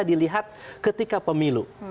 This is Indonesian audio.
dilihat ketika pemilu